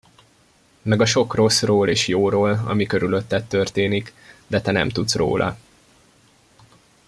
Meg a sok rosszról és jóról, ami körülötted történik, de te nem tudsz róla.